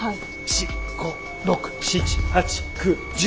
４５６７８９１０。